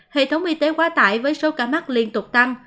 hệ thống y tế quá tải với sâu cả mắt liên tục tăng